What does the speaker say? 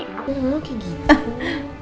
gue mau kayak gitu